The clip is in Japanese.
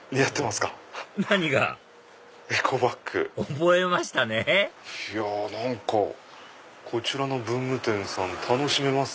覚えましたねこちらの文具店さん楽しめます。